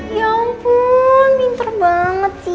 ya ampun pinter banget sih